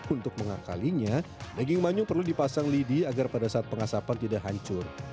untuk mengakalinya daging manyung perlu dipasang lidi agar pada saat pengasapan tidak hancur